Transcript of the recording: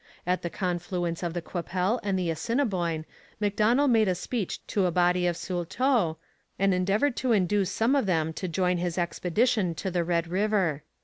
At the confluence of the Qu'Appelle and the Assiniboine Macdonell made a speech to a body of Saulteaux, and endeavoured to induce some of them to join his expedition to the Red River.